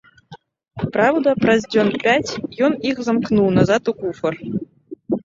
Праўда, праз дзён пяць ён іх замкнуў назад у куфар.